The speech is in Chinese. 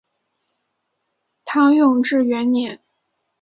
唐永徽元年。